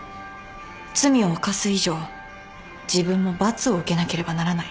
罪を犯す以上自分も罰を受けなければならない。